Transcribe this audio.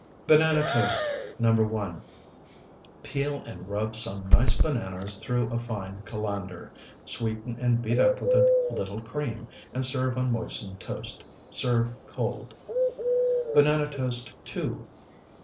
BANANA TOAST NO. 1 Peel and rub some nice bananas through a fine colander; sweeten and beat up with a little cream, and serve on moistened toast. Serve cold. BANANA TOAST NO.